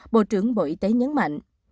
bộ trưởng bộ y tế nhấn mạnh